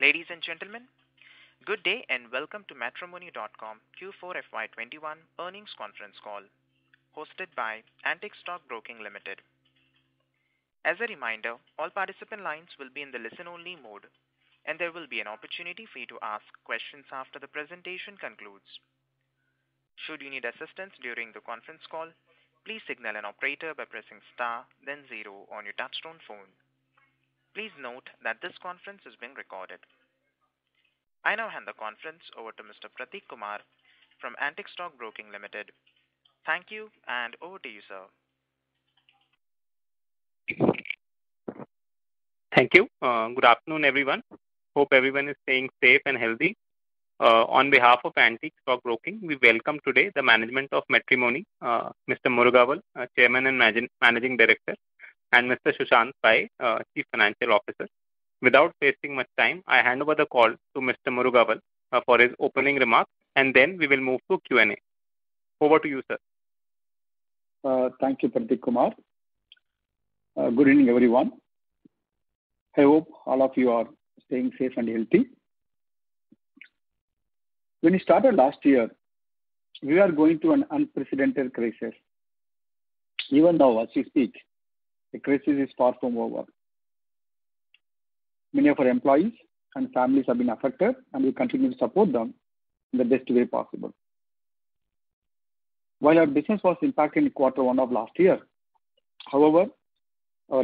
Ladies and gentlemen, good day and welcome to Matrimony.com Q4 FY2021 earnings conference call hosted by Antique Stock Broking Limited. As a reminder, all participant lines will be in the listen-only mode, and there will be an opportunity for you to ask questions after the presentation concludes. Should you need assistance during the conference call, please signal an operator by pressing star then zero on your touchtone phone. Please note that this conference is being recorded. I now hand the conference over to Mr. Prateek Kumar from Antique Stock Broking Limited. Thank you, and over to you, sir. Thank you. Good afternoon, everyone. Hope everyone is staying safe and healthy. On behalf of Antique Stock Broking, we welcome today the management of Matrimony.com, Mr. Murugavel, Chairman and Managing Director, and Mr. Sushanth Pai, Chief Financial Officer. Without wasting much time, I hand over the call to Mr. Murugavel for his opening remarks, and then we will move to Q&A. Over to you, sir. Thank you, Prateek Kumar. Good evening, everyone. I hope all of you are staying safe and healthy. When we started last year, we were going through an unprecedented crisis. Even now, as we speak, the crisis is far from over. Many of our employees and families have been affected, and we continue to support them in the best way possible. While our business was impacted in Q1 of last year. Our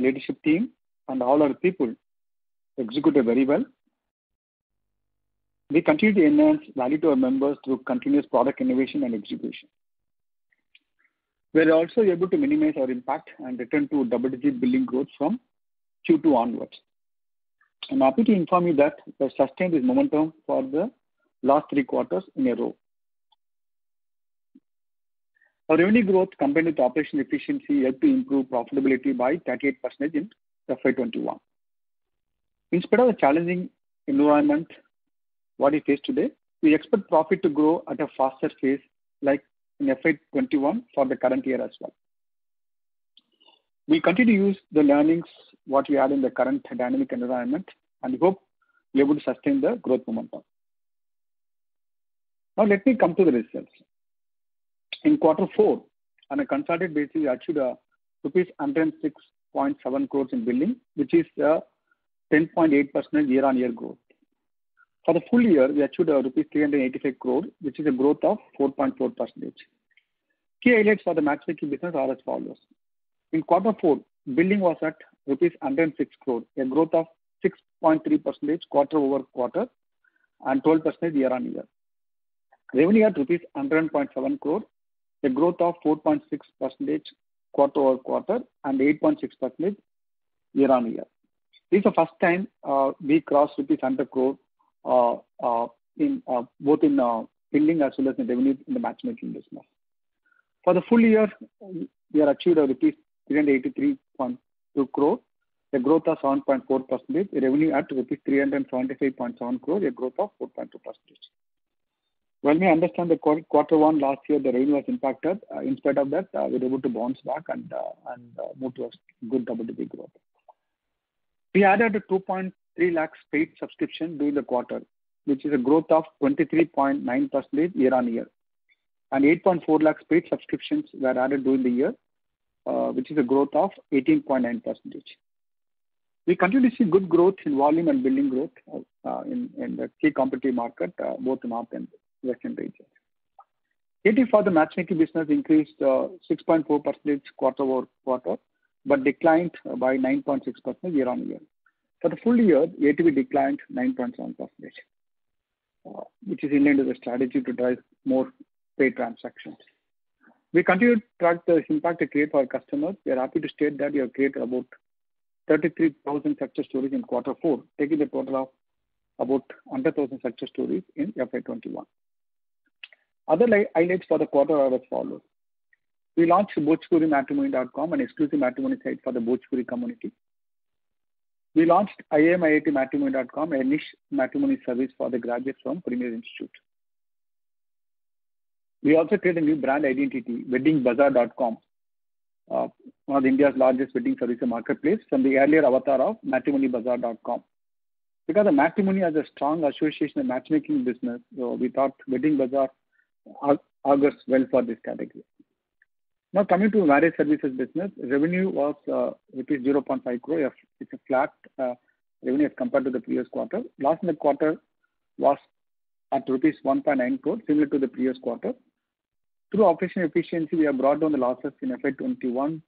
leadership team and all our people executed very well. We continue to enhance value to our members through continuous product innovation and execution. We're also able to minimize our impact and return to double-digit billing growth from Q2 onwards. I'm happy to inform you that we have sustained this momentum for the last three quarters in a row. Our revenue growth combined with operational efficiency helped to improve profitability by 38% in FY21. In spite of the challenging environment that we face today, we expect profit to grow at a faster pace like in FY 2021 for the current year as well. We continue to use the learnings, that we have in the current dynamic environment and hope we're able to sustain the growth momentum. Now let me come to the results. In quarter four, on a consolidated basis, we achieved rupees 106.7 crore in billing, which is a 10.8% year-on-year growth. For the full year, we achieved rupees 385 crore, which is a growth of 4.4%. Key highlights for the matchmaking business are as follows. In quarter four, billing was at rupees 106 crore, a growth of 6.3% quarter-over-quarter and 12% year-on-year. Revenue at rupees 100.7 crore, a growth of 4.6% quarter-over-quarter and 8.6% year-on-year. This is the first time we crossed INR. 100 crore both in billing as well as in revenue in the matchmaking business. For the full year, we have achieved rupees 383.2 crore, a growth of 7.4%. The revenue at rupees 375.7 crore, a growth of 4.2%. When we compare to quarter one last year, the revenue was impacted. In spite of that, we were able to bounce back and move towards good double-digit growth. We added 2.3 lakh paid subscription during the quarter, which is a growth of 23.9% year-on-year. 8.4 lakh paid subscriptions were added during the year, which is a growth of 18.9%. We continue to see good growth in volume and billing growth in the key competitive market, both north and western regions. ATV for the matchmaking business increased 6.4% quarter-over-quarter, but declined by 9.6% year-on-year. For the full year, ATV declined 9.7%, which is in line with the strategy to drive more paid transactions. We continue to track the impact we create for our customers. We are happy to state that we have created about 33,000 success stories in quarter four, taking the total of about 100,000 success stories in FY21. Other highlights for the quarter are as follows. We launched bhojpurimatrimony.com, an exclusive matrimony site for the Bhojpuri community. We launched matrimony.com, a niche matrimony service for the graduates from premier institute. We also create a new brand identity, weddingbazaar.com. One of India's largest wedding services marketplace from the earlier avatar of matrimonybazaar.com. The matrimony has a strong association in matchmaking business, we thought WeddingBazaar augurs well for this category. Coming to marriage services business, revenue was rupees 0.5 crore. It's a flat revenue as compared to the previous quarter. Loss in that quarter was at rupees 1.9 crore, similar to the previous quarter. Through operational efficiency, we have brought down the losses in FY21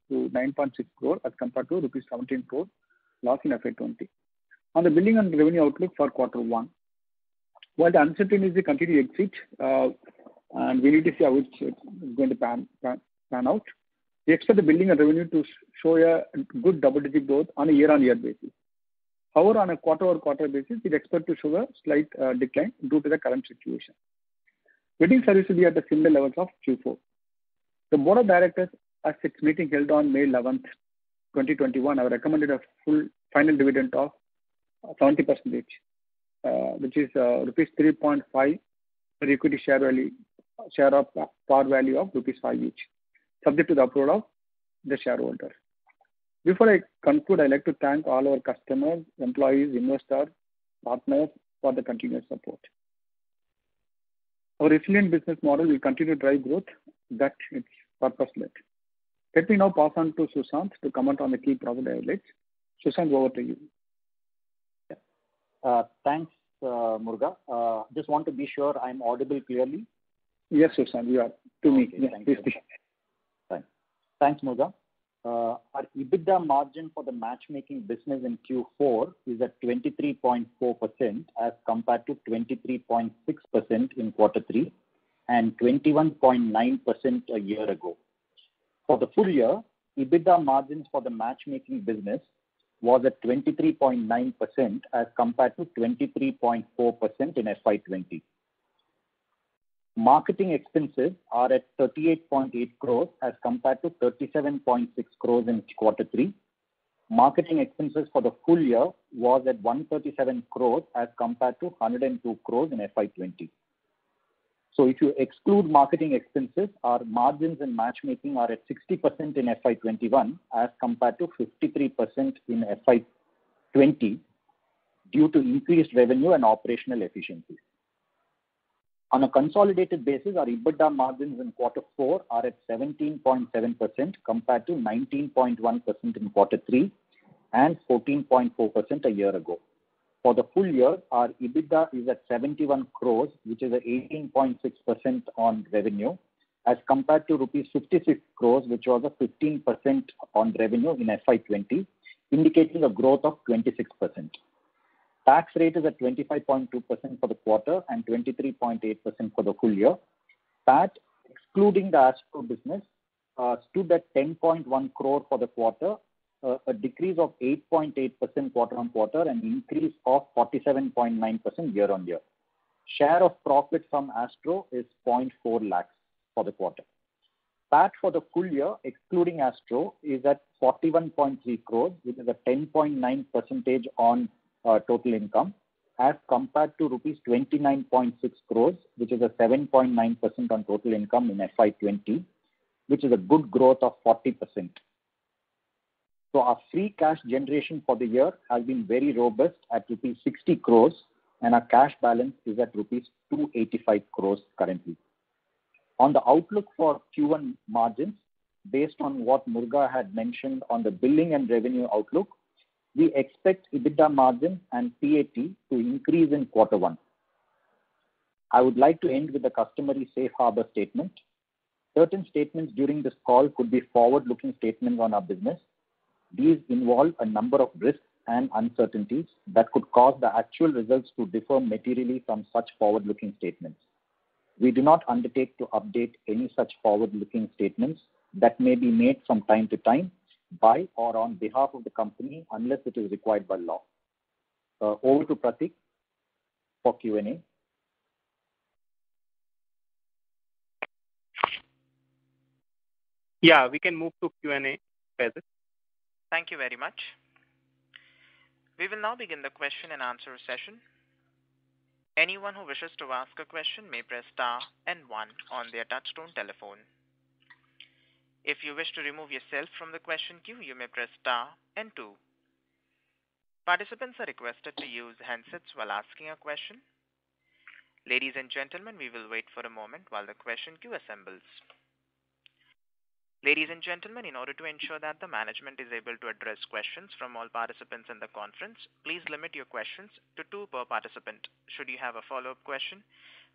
to 9.6 crore as compared to rupees 17 crore loss in FY20. On the billing and revenue outlook for quarter one. While the uncertainty continue exist, and we need to see how it's going to pan out, we expect the billing and revenue to show a good double-digit growth on a year-on-year basis. However, on a quarter-over-quarter basis, it is expected to show a slight decline due to the current situation. Wedding services will be at the similar levels of Q4. The board of directors at its meeting held on May 11th, 2021, have recommended a full final dividend of 70%, which is rupees 3.5 per equity share of par value of INR. five each, subject to the approval of the shareholder. Before I conclude, I'd like to thank all our customers, employees, investors, partners for the continuous support. Our resilient business model will continue to drive growth that is purpose-led. Let me now pass on to Sushanth to comment on the key profit highlights. Sushanth, over to you. Thanks, Murugavel. Just want to be sure I'm audible clearly. Yes, Sushanth, audible to me. Okay. Thank you. Yes, please continue. Thanks, Murugavel. Our EBITDA margin for the matchmaking business in Q4 is at 23.4% as compared to 23.6% in quarter three and 21.9% a year ago. For the full year, EBITDA margins for the matchmaking business was at 23.9% as compared to 23.4% in FY20. Marketing expenses are at 38.8 crores as compared to 37.6 crores in quarter three. Marketing expenses for the full year was at 137 crores as compared to 102 crores in FY20. If you exclude marketing expenses, our margins in matchmaking are at 60% in FY21 as compared to 53% in FY20 due to increased revenue and operational efficiencies. On a consolidated basis, our EBITDA margins in quarter four are at 17.7% compared to 19.1% in quarter three and 14.4% a year ago. For the full year, our EBITDA is at 71 crores, which is at 18.6% on revenue, as compared to INR. 66 crores, which was at 15% on revenue in FY 2020, indicating a growth of 26%. Tax rate is at 25.2% for the quarter and 23.8% for the full year. PAT, excluding the MatchAstro business, stood at 10.1 crore for the quarter, a decrease of 8.8% quarter-on-quarter and increase of 47.9% year-on-year. Share of profit from MatchAstro is 0.4 lakhs for the quarter. PAT for the full year, excluding MatchAstro, is at 41.3 crores, which is a 10.9% on total income as compared to rupees 29.6 crores, which is a 7.9% on total income in FY 2020, which is a good growth of 40%. Our free cash generation for the year has been very robust at rupees 60 crores, and our cash balance is at rupees 285 crores currently. On the outlook for Q1 margins, based on what Murugavel had mentioned on the billing and revenue outlook, we expect EBITDA margin and PAT to increase in quarter 1. I would like to end with a customary safe harbor statement. Certain statements during this call could be forward-looking statements on our business. These involve a number of risks and uncertainties that could cause the actual results to differ materially from such forward-looking statements. We do not undertake to update any such forward-looking statements that may be made from time to time by or on behalf of the company, unless it is required by law. Over to Prateek for Q&A. Yeah, we can move to Q&A. Thank you very much. We will now begin the question and answer session. Anyone who wishes to ask a question may press star and one on their touchtone telephone. If you wish to remove yourself from the question queue, you may press star and two. Participants are requested to use handsets while asking a question. Ladies and gentlemen, we will wait for a moment while the question queue assembles. Ladies and gentlemen, in order to ensure that the management is able to address questions from all participants in the conference, please limit your questions to two per participant. Should you have a follow-up question,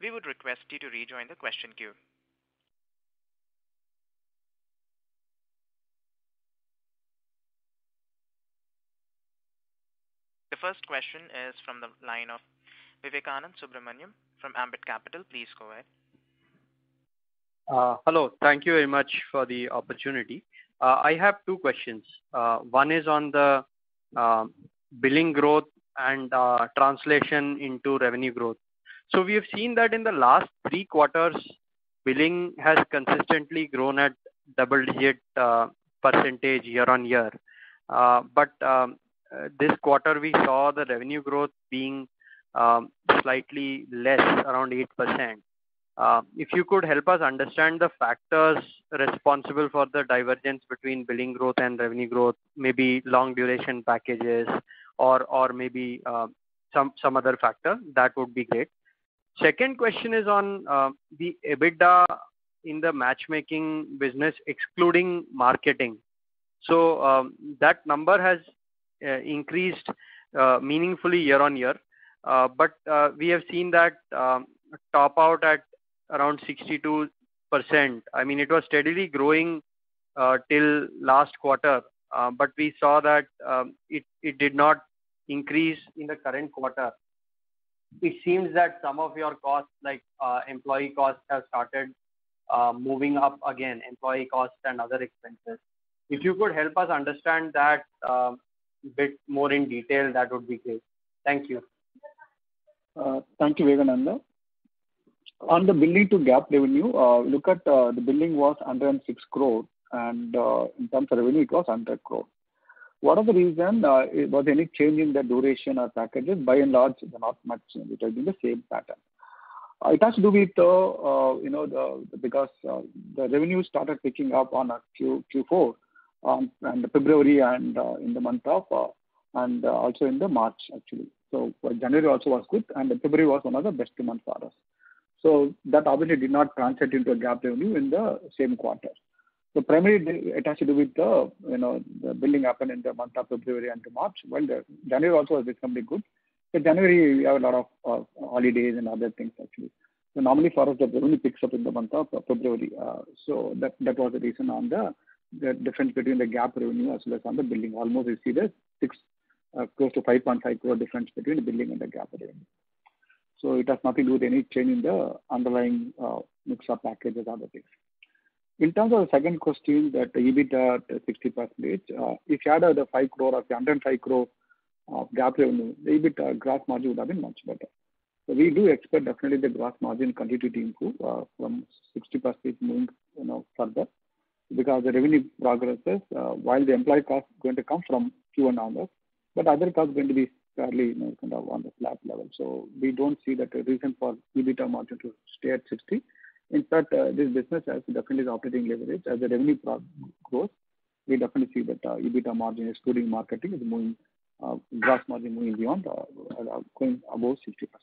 we would request you to rejoin the question queue. The first question is from the line of Vivekanand Subbaraman from Ambit Capital. Please go ahead. Hello. Thank you very much for the opportunity. I have two questions. One is on the billing growth and translation into revenue growth. We have seen that in the last three quarters, billing has consistently grown at double-digit % year-on-year. This quarter, we saw the revenue growth being slightly less, around 8%. If you could help us understand the factors responsible for the divergence between billing growth and revenue growth, maybe long duration packages or maybe some other factor, that would be great. Second question is on the EBITDA in the matchmaking business, excluding marketing. That number has increased meaningfully year-on-year. We have seen that top out at around 62%. It was steadily growing till last quarter. We saw that it did not increase in the current quarter. It seems that some of your costs, like employee costs and other expenses, have started moving up again. If you could help us understand that a bit more in detail, that would be great. Thank you. Thank you, Vivekanand. On the billing to GAAP revenue, look at the billing was 106 crore, and in terms of revenue it was 100 crore. What are the reason? Was there any change in the duration or packages? By and large, it was not much. It has been the same pattern. It has to do with the revenue started picking up on Q4 and February and in the month of March, actually. January also was good, and February was one of the best two months for us. That obviously did not translate into a GAAP revenue in the same quarter. Primarily, it has to do with the billing happened in the month of February into March. Well, January also was becoming good, but January we have a lot of holidays and other things, actually. Normally for us, the revenue picks up in the month of February. That was the reason on the difference between the GAAP revenue as well as on the billing. Almost you see close to 5.5 crore difference between the billing and the GAAP revenue. It has nothing to do with any change in the underlying mix of packages or other things. In terms of the second question that EBITDA 60%, if you add the 5 crore of the 105 crore of GAAP revenue, the EBITDA gross margin would have been much better. We do expect definitely the gross margin continue to improve from 60% moving further. Because the revenue progresses while the employee cost is going to come from Q1 onwards, but other costs are going to be fairly on the flat level. We don't see that a reason for EBITDA margin to stay at 60%. In fact, this business has definitely the operating leverage as the revenue grows. We definitely see that EBITDA margin excluding marketing is Gross margin moving beyond going above 60%.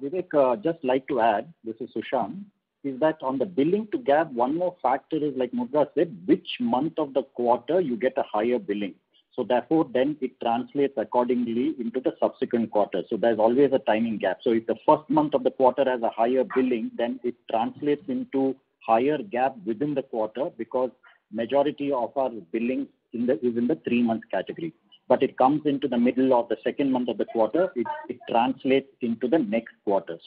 Vivek, just like to add, this is Sushanth. Is that on the billing to GAAP, one more factor is like Murugavel said, which month of the quarter you get a higher billing. Therefore then it translates accordingly into the subsequent quarter. There's always a timing gap. If the first month of the quarter has a higher billing, then it translates into higher GAAP within the quarter because majority of our billing is in the three-month category. It comes into the middle of the second month of the quarter, it translates into the next quarter.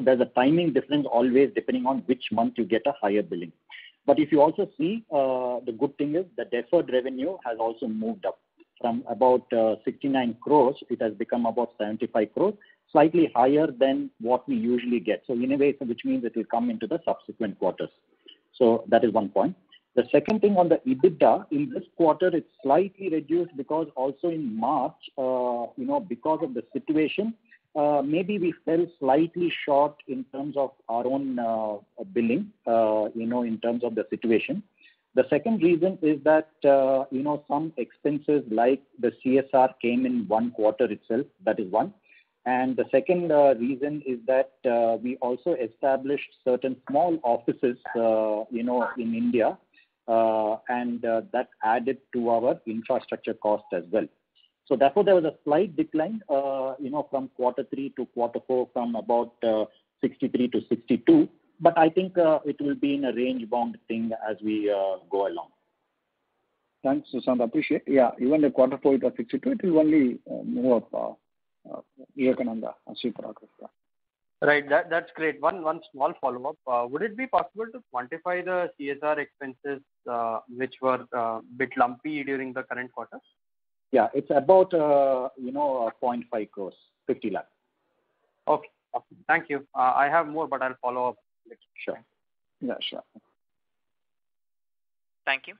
There's a timing difference always depending on which month you get a higher billing. If you also see, the good thing is the deferred revenue has also moved up from about 69 crores. It has become above 75 crores, slightly higher than what we usually get. Anyway, which means it will come into the subsequent quarters. That is one point. The second thing on the EBITDA in this quarter, it's slightly reduced because also in March, because of the situation, maybe we fell slightly short in terms of our own billing, in terms of the situation. The second reason is that some expenses like the CSR came in one quarter itself, that is one. The second reason is that we also established certain small offices in India, and that added to our infrastructure cost as well. Therefore, there was a slight decline from quarter 3 to quarter 4, from about 63 to 62. I think it will be in a range-bound thing as we go along. Thanks, Sushanth. Appreciate. Even the quarter four, it was 62, it will only move up year-on-year on the C progress. Right. That's great. One small follow-up. Would it be possible to quantify the CSR expenses which were a bit lumpy during the current quarter? Yeah, it's about 0.5 crores, 50 lakh. Okay. Thank you. I have more, but I'll follow up later. Sure. Thank you.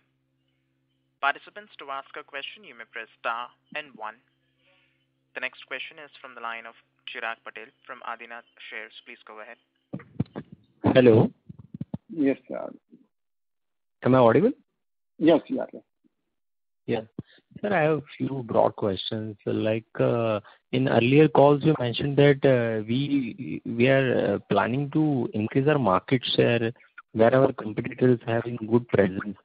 The next question is from the line of Chirag Patel from Adinath Shares. Please go ahead. Hello. Yes. Am I audible? Yes. Sir, I have a few broad questions. In earlier calls, you mentioned that we are planning to increase our market share where our competitor is having good presence.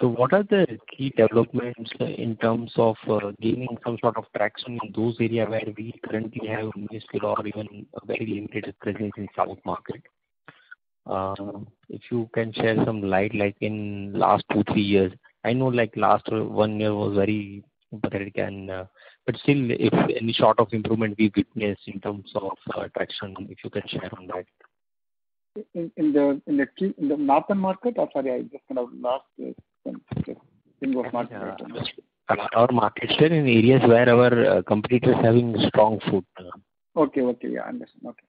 What are the key developments in terms of gaining some sort of traction in those area where we currently have minuscule or even a very limited presence in south market? If you can share some light, like in last two, three years. I know last one year was very pathetic. Still, if any sort of improvement we've witnessed in terms of traction, if you can share on that. In the northern market? Sorry, I just kind of lost it. Not our markets. In areas where our competitor is having strong foot. Okay. Yeah, understood. Okay.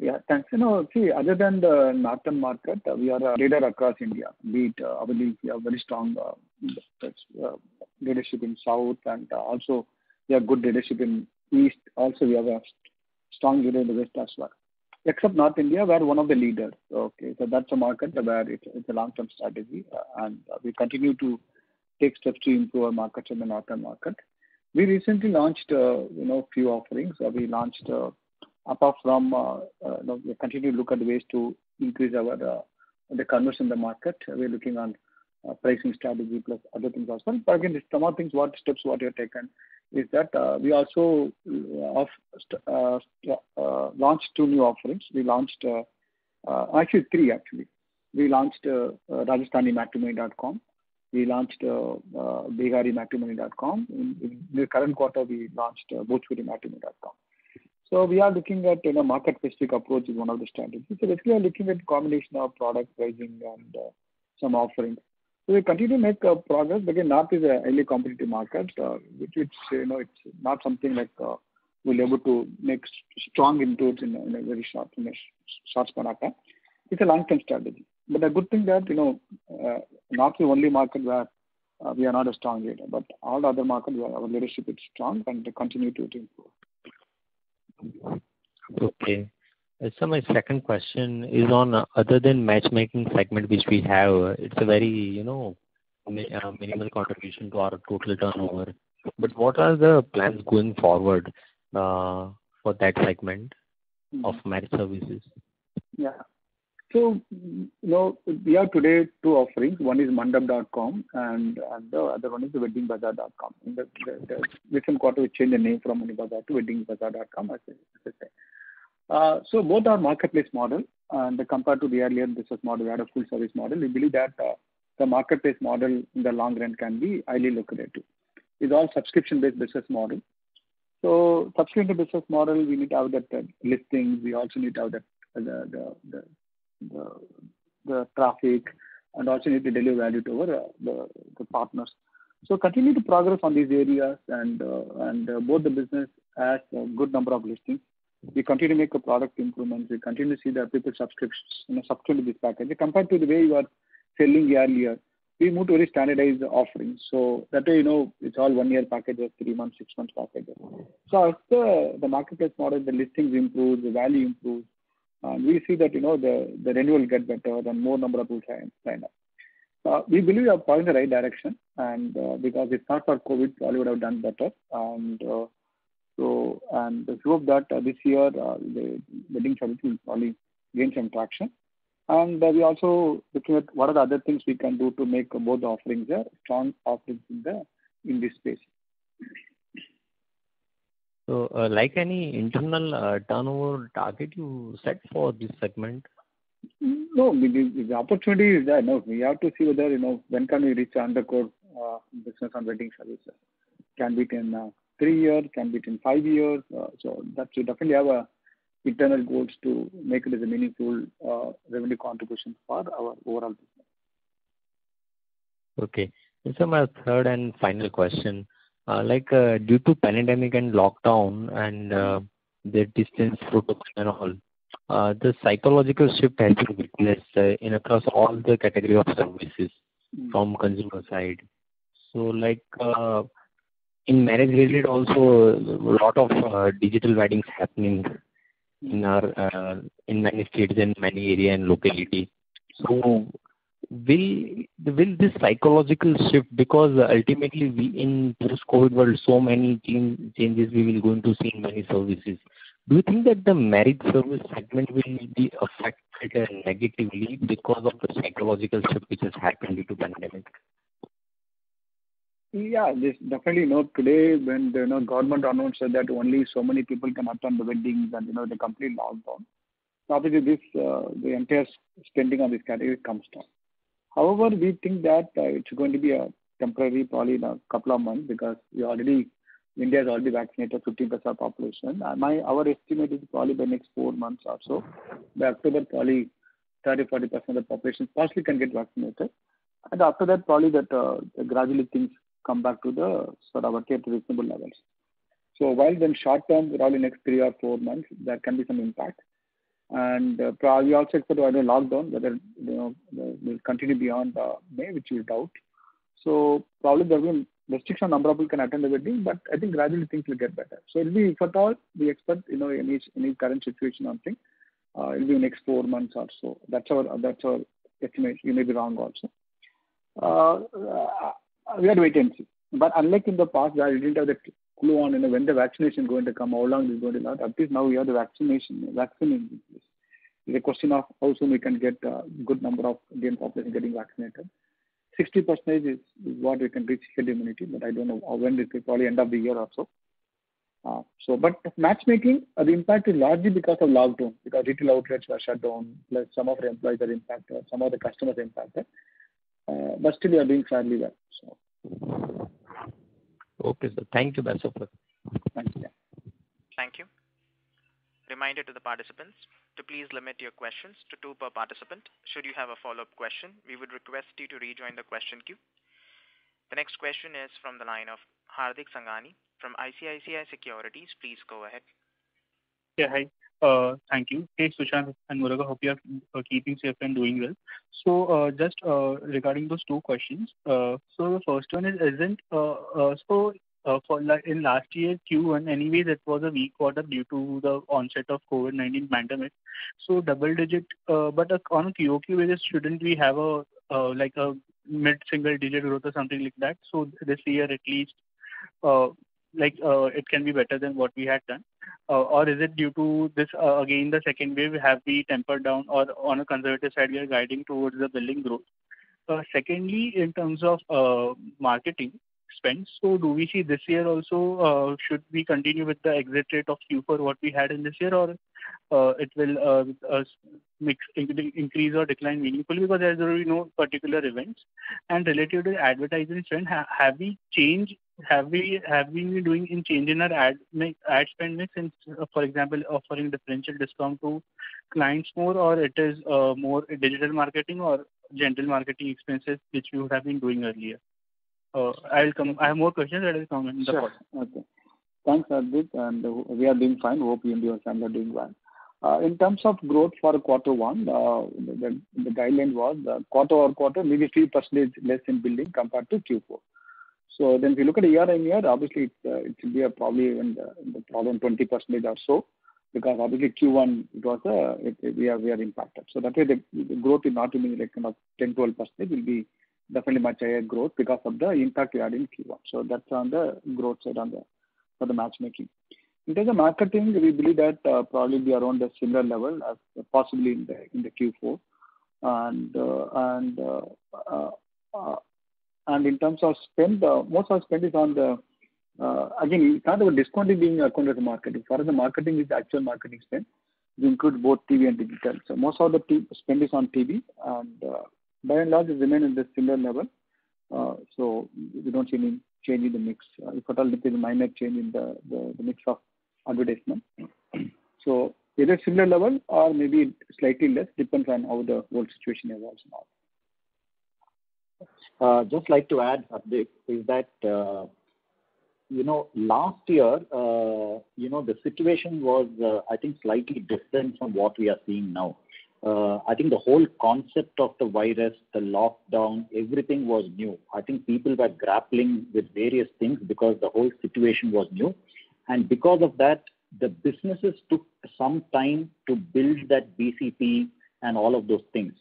Yeah. Thanks. Other than the northern market, we are a leader across India. Be it, obviously we have very strong leadership in South and also we have good leadership in East. Also, we have a strong leader in the West as well. Except North India, we are one of the leaders. That's a market where it's a long-term strategy, and we continue to take steps to improve our markets in the northern market. We recently launched a few offerings. Apart from we continue to look at ways to increase our commerce in the market. We're looking on pricing strategy plus other things as well. Again, some of things, what steps what we have taken is that we also launched two new offerings. Actually three, actually. We launched rajasthanimatrimony.com. We launched biharimatrimony.com. In the current quarter, we launched bhojpurimatrimony.com. We are looking at market-specific approach is one of the strategies. Basically, we are looking at combination of product pricing and some offerings. We continue to make progress. Again, North is a highly competitive market. It's not something like we'll be able to make strong inroads in a very short span of time. It's a long-term strategy. The good thing that North is the only market where we are not a strong leader. All other markets, our leadership is strong and they continue to improve. Okay. Sir, my second question is on other than matchmaking segment, which we have, it's a very minimal contribution to our total turnover. What are the plans going forward for that segment of match services? Yeah. We have today two offerings. One is mandap.com and the other one is the weddingbazaar.com. In the recent quarter, we changed the name from WeddingBazaar to weddingbazaar.com as I said. Both are marketplace model. Compared to the earlier business model, we had a full service model. We believe that the marketplace model in the long run can be highly lucrative. It's all subscription-based business model. Subscription business model, we need to have that listing. We also need to have the traffic and also need to deliver value to our partners. Continue to progress on these areas and both the business has a good number of listings. We continue to make product improvements. We continue to see the people subscriptions in a subscription-based package. Compared to the way we were selling earlier, we moved to a standardized offering. That way, it's all one-year packages, three months, six months packages. As the marketplace model, the listings improve, the value improves. We see that the revenue will get better, then more number of people sign up. We believe we are pointing the right direction, and because if not for COVID, probably would have done better. Let's hope that this year, the wedding services will probably gain some traction. We're also looking at what are the other things we can do to make both offerings there, strong offerings in this space. Like any internal turnover target you set for this segment? No, the opportunity is there. We have to see whether, when can we reach INR 100 crore business on wedding services. Can be in three years, can be in five years. That we definitely have internal goals to make it as a meaningful revenue contribution for our overall business. Okay. Sir, my third and final question. Due to pandemic and lockdown and the distance protocol and all, the psychological shift has been witnessed in across all the category of services from consumer side. In marriage related also, lot of digital weddings happening in many states, in many area and locality. Will this psychological shift, because ultimately in post-COVID world, so many changes we will going to see in many services. Do you think that the marriage service segment will be affected negatively because of the psychological shift which has happened due to pandemic? Today when the government announced that only so many people can attend the weddings and the complete lockdown, probably the entire spending on this category comes down. However, we think that it's going to be temporary, probably in a couple of months, because India has already vaccinated 15% of population. Our estimate is probably the next 4 months or so. By October, probably 30%-40% of the population possibly can get vaccinated. After that, probably gradually things come back to the sort of okay, to reasonable levels. While in short term, probably next 3 or 4 months, there can be some impact. We also expect whether lockdown will continue beyond May, which we doubt. Probably there will be restriction on number of people can attend the wedding, but I think gradually things will get better. It'll be, if at all, we expect, in this current situation, I think it'll be next four months or so. That's our estimate. We may be wrong also. We have to wait and see. Unlike in the past, where we didn't have the clue on when the vaccination going to come, how long this is going to last. At least now we have the vaccine in place. It is a question of how soon we can get a good number of Indian population getting vaccinated. 60% is what we can reach herd immunity, but I don't know when. It is probably end of the year or so. Matchmaking, the impact is largely because of lockdown, because retail outlets were shut down, plus some of our employees are impacted, some of the customers are impacted. Still we are doing fairly well. Okay, sir. Thank you very much, sir. Thank you, sir. Thank you. Reminder to the participants to please limit your questions to two per participant. Should you have a follow-up question, we would request you to rejoin the question queue. The next question is from the line of Hardik Sangani from ICICI Securities. Please go ahead. Yeah, hi. Thank you. Hey, Sushanth Pai and Murugavel, hope you are keeping safe and doing well. Just regarding those two questions. The first one is, isn't in last year's Q1, anyway, that was a weak quarter due to the onset of COVID-19 pandemic. Double digit. On QOQ basis, shouldn't we have a mid-single digit growth or something like that? This year at least, it can be better than what we had done. Is it due to this again, the second wave, we have the tempered down or on a conservative side, we are guiding towards the building growth. Secondly, in terms of marketing expense, so do we see this year also, should we continue with the exit rate of Q4 what we had in this year? It will increase or decline meaningfully because there will be no particular events. Related to the advertising trend, have we been doing any change in our ad spend mix since, for example, offering differential discount to clients more, or is it more digital marketing or general marketing expenses, which you have been doing earlier? I have more questions that I will come in the follow-up. Thanks, Hardik. We are doing fine. Hope you and your family are doing well. In terms of growth for quarter one, the guideline was quarter-over-quarter, maybe 3% less in billing compared to Q4. If you look at year-on-year, obviously it will be probably around 20% or so, because obviously Q1 we are impacted. That way the growth is not only kind of 10%, 11%, will be definitely much higher growth because of the impact we had in Q1. That's on the growth side for the matchmaking. In terms of marketing, we believe that probably around a similar level as possibly in the Q4. In terms of spend, most of our spend is Again, it's not our discount is being accounted as marketing. Further marketing is the actual marketing spend, which include both TV and digital. Most of the spend is on TV, and by and large it remain in the similar level. We don't see any change in the mix. If at all, little minor change in the mix of advertisement. Either similar level or maybe slightly less, depends on how the whole situation evolves now. Just like to add, Hardik, is that last year the situation was slightly different from what we are seeing now. The whole concept of the virus, the lockdown, everything was new. People were grappling with various things because the whole situation was new. Because of that, the businesses took some time to build that BCP and all of those things.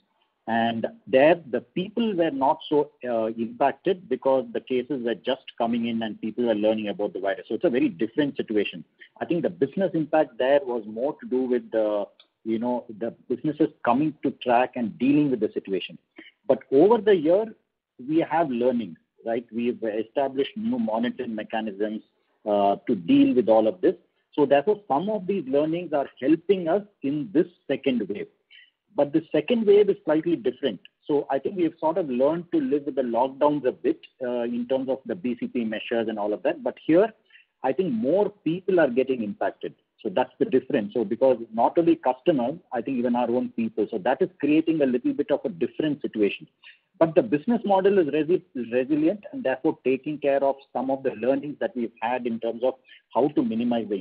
There, the people were not so impacted because the cases were just coming in and people were learning about the virus. It's a very different situation. The business impact there was more to do with the businesses coming to track and dealing with the situation. Over the year, we have learnings. We've established new monitoring mechanisms to deal with all of this. Therefore, some of these learnings are helping us in this second wave. The second wave is slightly different. I think we've sort of learned to live with the lockdowns a bit, in terms of the BCP measures and all of that. Here, I think more people are getting impacted. That's the difference. Because not only customers, I think even our own people, that is creating a little bit of a different situation. The business model is resilient, and therefore taking care of some of the learnings that we've had in terms of how to minimize the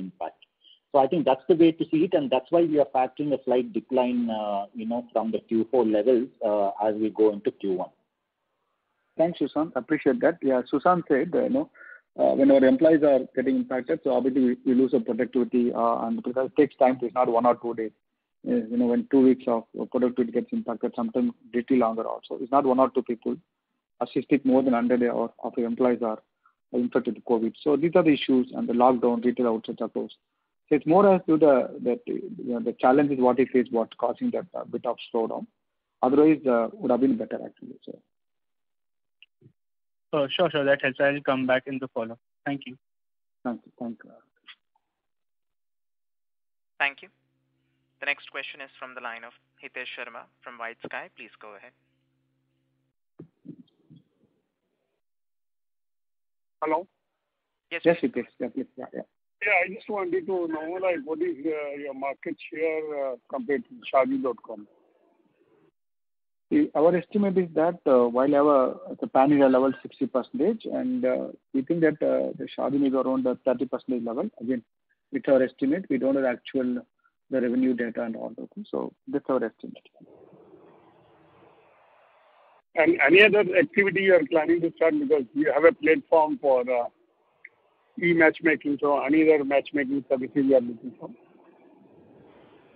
impact. I think that's the way to see it, and that's why we are factoring a slight decline from the Q4 levels as we go into Q1. Thanks, Sushanth. Appreciate that. Sushanth said when our employees are getting impacted, so obviously we lose our productivity and because it takes time. It's not one or two days. When two weeks of productivity gets impacted, sometimes little longer also. It's not one or two people. As I said, more than 100 of our employees are infected with COVID. These are the issues, and the lockdown, retail outlets are closed. It's more as to the challenges, what we face, what's causing that bit of slowdown. Otherwise, would have been better actually. Sure. That helps. I'll come back in the follow-up. Thank you. Thank you. Thank you. Thank you. The next question is from the line of Hitesh Sharma from White Sky. Please go ahead. Hello? Yes, Hitesh. Yeah. Yeah. I just wanted to know what is your market share compared to Shaadi.com? Our estimate is that while at the Pan-India level, 60%. We think that Shaadi is around the 30% level. Again, it's our estimate. We don't have the actual revenue data and all those things. That's our estimate. Any other activity you are planning to start because you have a platform for e-matchmaking. Any other matchmaking services you are looking for?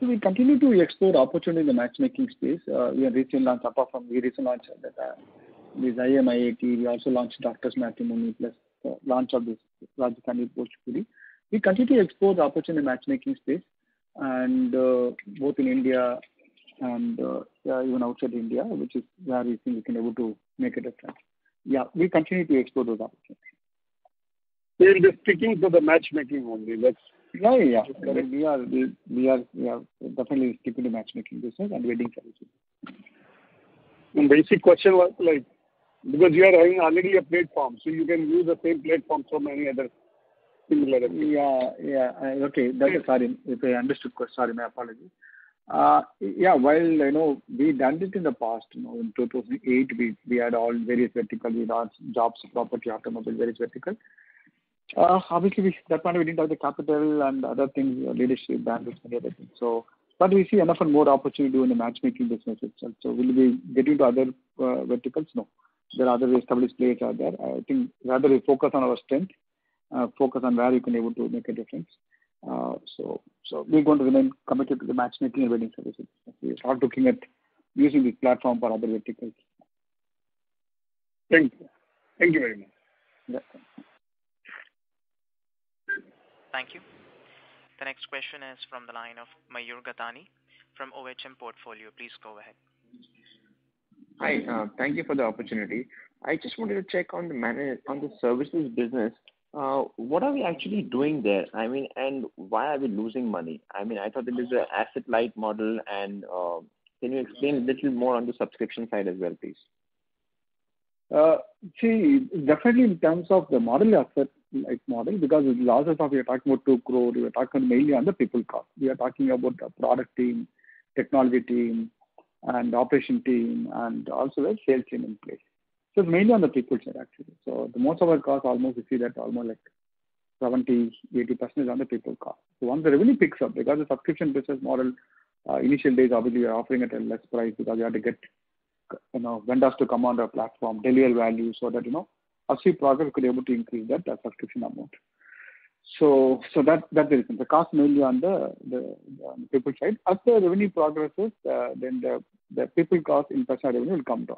We continue to explore opportunity in the matchmaking space. We have recent launch apart from the recent launch that is IIM, IIT. We also launched Doctors Matrimony plus launch of this Rajkumari and Rajkumar. We continue to explore the opportunity in matchmaking space and both in India and even outside India, which is where we think we can able to make a difference. Yeah, we continue to explore those opportunities. You're just sticking to the matchmaking only? Yeah. We are definitely sticking to matchmaking business and wedding planning business. My basic question was, because you are having already a platform, so you can use the same platform for many other similar things. Yeah. Okay. Sorry if I misunderstood. Sorry, my apologies. Yeah. While we've done it in the past. In 2008, we had all various vertical. We launched jobs, property, automobile, various vertical. Obviously, that time we didn't have the capital and other things, leadership bandwidth and everything. We see enough and more opportunity in the matchmaking business itself. Will we be getting to other verticals? No. There are other established players out there. I think rather we focus on our strength, focus on where we can able to make a difference. We're going to remain committed to the matchmaking and wedding services. We're not looking at using this platform for other verticals. Thank you. Thank you very much. Welcome. Thank you. The next question is from the line of Mayur Gathani from OHM Portfolio. Please go ahead. Hi. Thank you for the opportunity. I just wanted to check on the services business. What are we actually doing there? Why are we losing money? I thought it is an asset-light model and can you explain a little more on the subscription side as well, please? See, definitely in terms of the model, asset-light model, because the losses of we're talking about 2 crore, we're talking mainly on the people cost. We are talking about product team, technology team and operation team, and also the sales team in place. Mainly on the people side, actually. Most of our cost, we see that almost 70%-80% is on the people cost. Once the revenue picks up, because the subscription business model, initial days, obviously, we are offering it at less price because we have to get vendors to come on our platform, deliver value, so that as we progress, we could be able to increase that subscription amount. That's the reason. The cost mainly on the people side. As the revenue progresses, the people cost in percentage revenue will come down.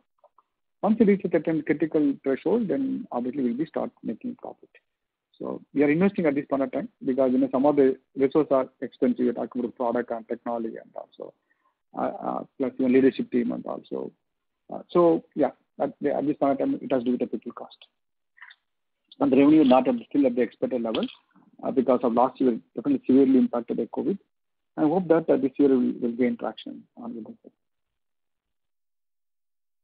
Once it reaches a certain critical threshold, obviously we'll start making profit. We are investing at this point of time because some of the resources are expensive. We're talking about product and technology, and also platform leadership team. Yeah, at this point of time, it has to do with the people cost. The revenue is not still at the expected level because of last year, definitely severely impacted by COVID. I hope that this year we will gain traction on the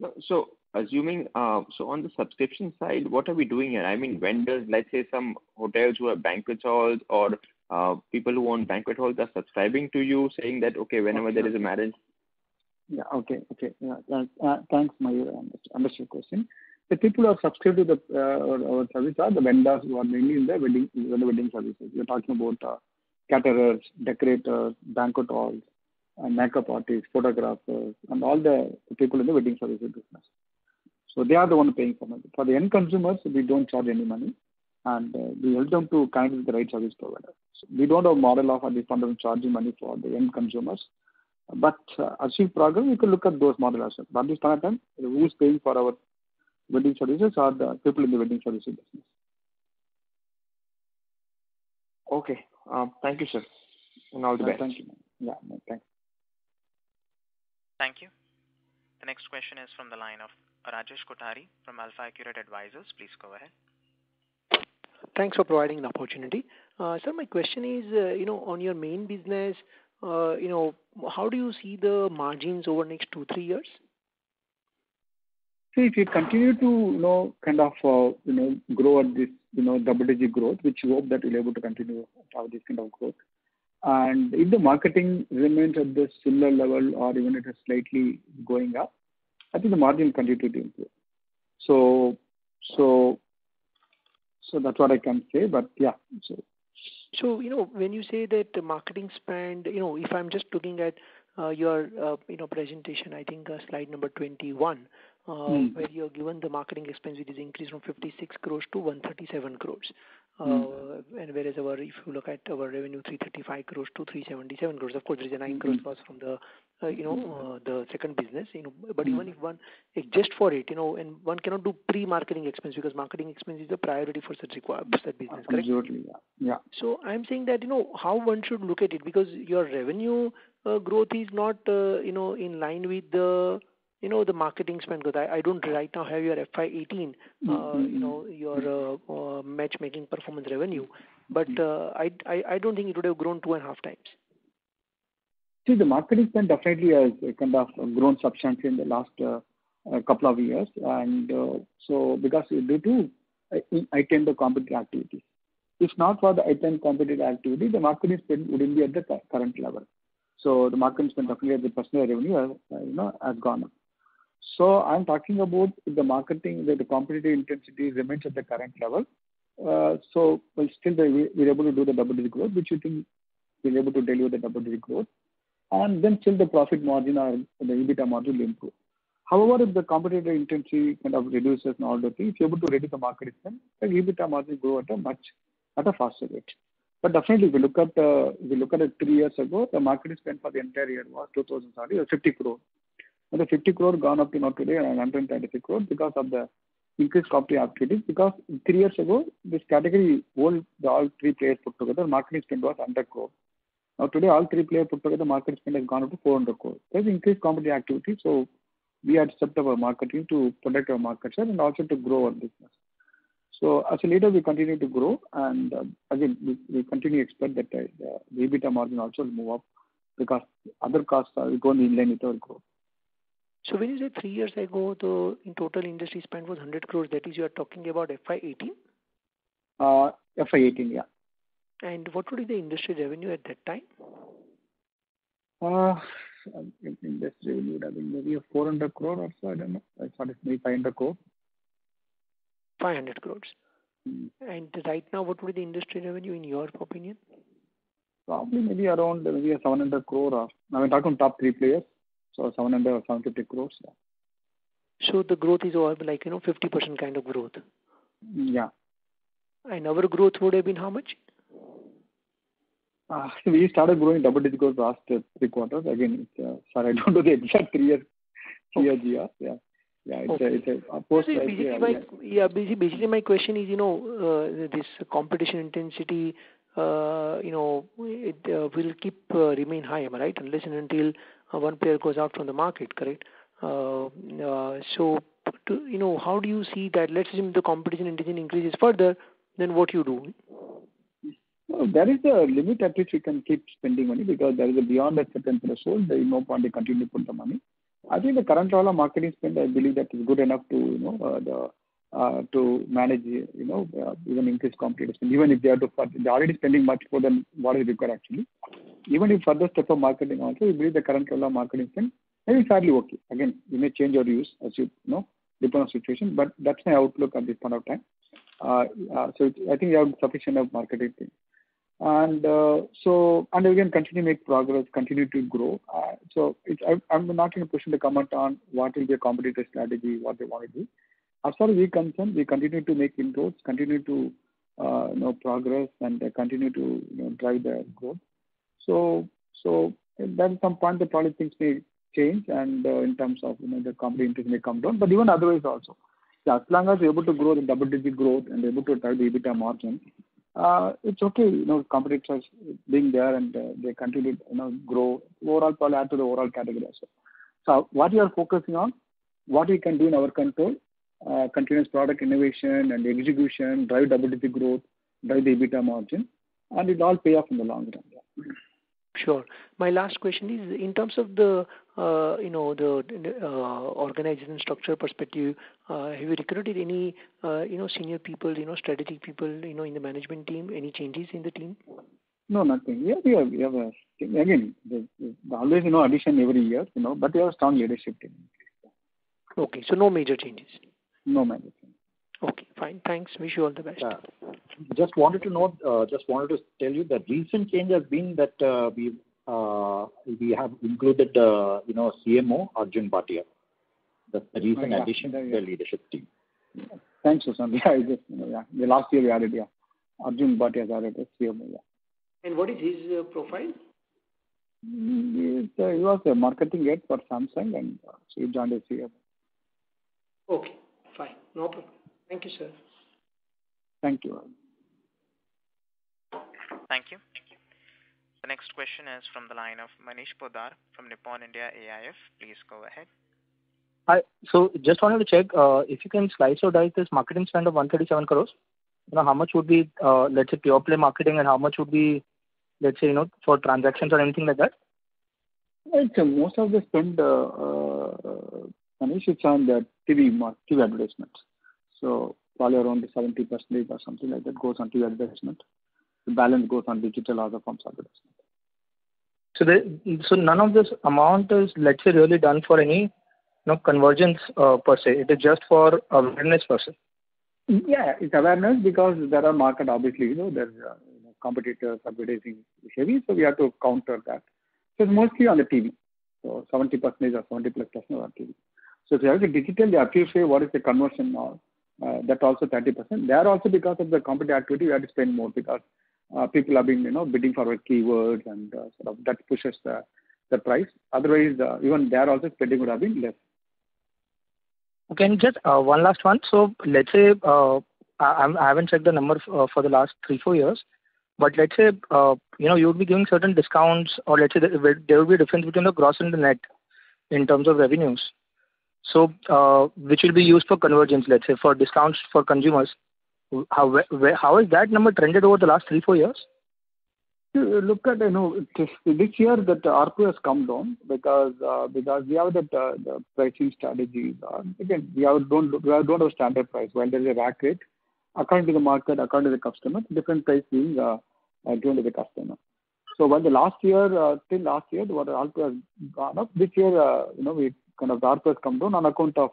revenue. On the subscription side, what are we doing here? I mean, vendors, let's say some hotels who have banquet halls or people who own banquet halls are subscribing to you saying that, okay, whenever there is a marriage? Yeah. Okay. Thanks, Mayur, I understood your question. The people who have subscribed to our service are the vendors who are mainly in the wedding services. We're talking about caterers, decorators, banquet halls, and makeup artists, photographers, and all the people in the wedding services business. They are the ones paying for that. For the end consumers, we don't charge any money, and we help them to connect with the right service provider. We don't have model of at this point of charging money for the end consumers. As we progress, we can look at those model ourselves. This point of time, who is paying for our wedding services are the people in the wedding services business. Okay. Thank you, sir. All the best. Thank you. Yeah. Thanks. Thank you. The next question is from the line of Rajesh Kothari from AlfAccurate Advisors. Please go ahead. Thanks for providing the opportunity. Sir, my question is on your main business, how do you see the margins over next two, three years? If we continue to kind of grow at this double-digit growth, which we hope that we will be able to continue to have this kind of growth. If the marketing remains at the similar level or even it is slightly going up, I think the margin continue to improve. That is what I can say. When you say that the marketing spend, if I'm just looking at your presentation, I think slide number 21. where you have given the marketing expense, which is increased from 56 crores to 137 crores. Whereas if you look at our revenue, 335 crores-377 crores. Of course, there is a 9 crores cost from the second business. Even if one adjusts for it, and one cannot do pre-marketing expense because marketing expense is the priority for such business, correct? Absolutely. Yeah. I'm saying that, how one should look at it, because your revenue growth is not in line with the marketing spend. I don't right now have your FY 2018. your matchmaking performance revenue. I don't think it would have grown two and a half times. See, the marketing spend definitely has kind of grown substantially in the last couple of years. Because due to I think, the competitive activity. If not for the competitive activity, the marketing spend wouldn't be at the current level. The marketing spend definitely as a percentage revenue has gone up. I'm talking about if the competitive intensity remains at the current level. We'll still be able to do the double-digit growth, which we think we'll be able to deliver the double-digit growth, and then still the profit margin or the EBITDA margin will improve. However, if the competitive intensity kind of reduces and all those things, we're able to reduce the marketing spend, then EBITDA margin grow at a faster rate. Definitely, if you look at it three years ago, the marketing spend for the entire year was 2020, 50 crore. The 50 crore gone up to now today 137 crore because of the increased company activities. Three years ago, this category, all three players put together, marketing spend was 100 crore. Today, all three players put together, the marketing spend has gone up to 400 crore. There's increased competitive activity, so we had to step up our marketing to protect our market share and also to grow our business. As a leader, we continue to grow, and again, we continue to expect that the EBITDA margin also will move up because other costs will go in line with our growth. When you say three years ago, the total industry spend was 100 crore, that is you're talking about FY 2018? FY 2018, yeah. What would be the industry revenue at that time? I think industry revenue would have been maybe 400 crore or so, I don't know. Approximately 500 crore. 500 crores. Right now, what would be industry revenue in your opinion? Probably, maybe around maybe 700 crore. I'm talking top three players, so 700 or 750 crores, yeah. The growth is over like 50% kind of growth. Yeah. Our growth would have been how much? We started growing double digits over the last three quarters. Again, sorry, I don't know the exact three-year CAGR. Yeah. Okay. It's a post- My question is, this competition intensity will keep remain high, am I right? Unless and until one player goes out from the market, correct? How do you see that? Let's assume the competition intensity increases further, then what you do? There is a limit at which we can keep spending money because there is a beyond a certain threshold, there is no point in continuing to put the money. I think the current level of marketing spend, I believe that is good enough to manage even increased competition. They're already spending much more than what is required, actually. Even if further step of marketing also, we believe the current role of marketing spend is fairly okay. Again, we may change our views as you know, depend on situation. That's my outlook at this point of time. I think we have sufficient of marketing team. Again, continue to make progress, continue to grow. I'm not in a position to comment on what will be a competitor's strategy, what they want to do. As far as we're concerned, we continue to make inroads, continue to progress and continue to drive the growth. At some point the product things may change and in terms of the company interest may come down, but even otherwise also. As long as we're able to grow the double-digit growth and able to drive the EBITDA margin, it's okay. Competitors being there and they continue to grow, add to the overall category also. What we are focusing on, what we can do in our control, continuous product innovation and execution, drive double-digit growth, drive the EBITDA margin, and it all pay off in the long run, yeah. Sure. My last question is, in terms of the organization structure perspective, have you recruited any senior people, strategic people in the management team? Any changes in the team? No, nothing. Again, always addition every year. We have a strong leadership team. Okay, no major changes? No major changes. Okay, fine. Thanks. Wish you all the best. Yeah. Just wanted to tell you that recent change has been that we have included a CMO, Arjun Bhatia. That's the recent addition to the leadership team. Thanks, Sushanth. Last year we added, yeah. Arjun Bhatia is added as CMO, yeah. What is his profile? He was a marketing head for Samsung, so he joined as CMO. Okay, fine. No problem. Thank you, sir. Thank you. Thank you. The next question is from the line of Manish Poddar from Nippon India AIF. Please go ahead. Hi. Just wanted to check, if you can slice or dice this marketing spend of 137 crore. How much would be, let's say, pure play marketing and how much would be, let's say, for transactions or anything like that? I'd say most of the spend, Manish, is on the TV advertisements. Probably around 70% or something like that goes on TV advertisement. The balance goes on digital, other forms of advertisement. None of this amount is let's say, really done for any convergence per se. It is just for awareness purposes. It's awareness because there are market, obviously, there's competitors advertising heavily, so we have to counter that. It's mostly on the TV. 70% or 70 plus % on TV. If you have the digital, at least say what is the conversion now. That also 30%. There also because of the competitor activity, we had to spend more because people are bidding for a keyword and sort of that pushes the price. Otherwise, even there also spending would have been less. Okay. Just one last one. Let's say, I haven't checked the numbers for the last three, four years. Let's say, you'd be giving certain discounts or let's say there will be a difference between the gross and the net in terms of revenues. Which will be used for convergence, let's say for discounts for consumers. How has that number trended over the last three, four years? Look at this year that ARPU has come down because we have that pricing strategies. We don't have standard price. There's a rack rate, according to the market, according to the customer, different price being given to the customer. Till last year, the ARPU has gone up. This year, our ARPU has come down on account of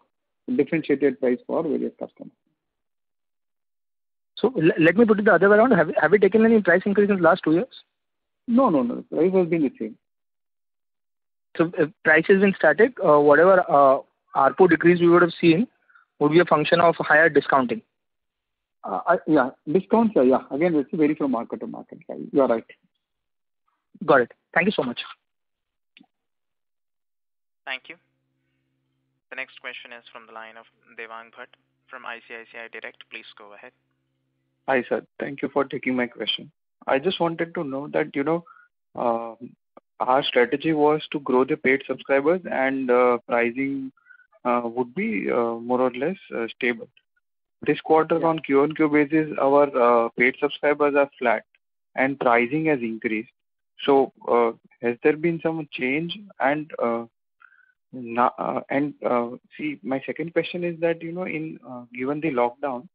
differentiated price for various customers. Let me put it the other way around. Have we taken any price increase in the last two years? No, price has been the same. If price has been static, whatever ARPU decrease we would have seen would be a function of higher discounting. Yeah. Discounts, yeah. Again, this will vary from market to market. You are right. Got it. Thank you so much. Thank you. The next question is from the line of Devang Bhatt from ICICI Direct. Please go ahead. Hi, sir. Thank you for taking my question. I just wanted to know that our strategy was to grow the paid subscribers and pricing would be more or less stable. This quarter on Q over Q basis, our paid subscribers are flat and pricing has increased. Has there been some change? See, my second question is that, given the lockdown